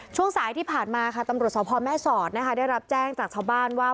ช่วงสายที่ผ่านมาค่ะตำรวจสพแม่สอดนะคะได้รับแจ้งจากชาวบ้านว่า